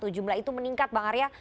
jumlah itu meningkat bang arya